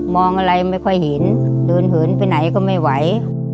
อะไรไม่ค่อยเห็นเดินเหินไปไหนก็ไม่ไหว